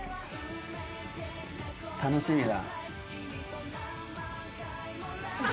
楽しみだ。